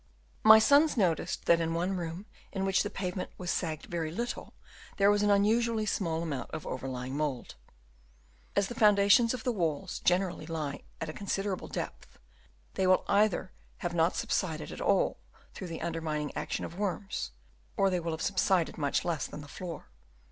My sons noticed that in one room in which the pavement had sagged very little, there was an unusually small amount of overlying mould. 220 BURIAL OF THE REMAINS Chap. IV. As the foundations of the walls generally lie at a considerable depth, they will either have not subsided at all through the under mining action of worms, or they will have subsided much less than the floor.